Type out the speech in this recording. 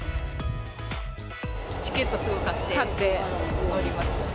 チケットすぐ買って、乗りました。